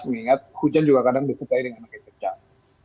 mengingat hujan juga kadang diketahui dengan lebih kecil